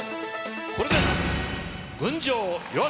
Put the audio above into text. これです。